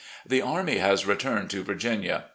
. The army has returned to Virginia.